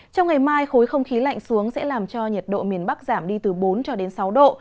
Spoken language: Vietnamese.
trong ngày mai khối không khí lạnh xuống sẽ làm cho nhiệt độ miền bắc giảm đi từ bốn cho đến sáu độ